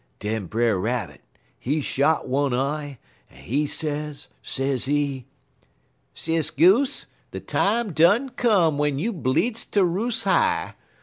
"Den Brer Rabbit, he shot one eye, en he say, sezee: "'Sis Goose, de time done come w'en you bleedzd ter roos' high.